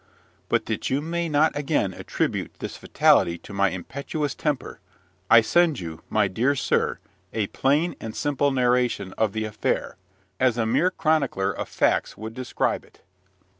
But, that you may not again attribute this fatality to my impetuous temper, I send you, my dear sir, a plain and simple narration of the affair, as a mere chronicler of facts would describe it.